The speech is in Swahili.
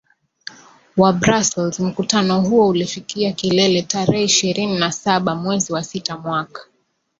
wa Brussels Mkutano huo ulifikia kilele tarehe ishirini na saba mwezi wa sita mwaka